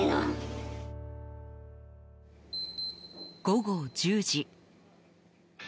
午後１０時。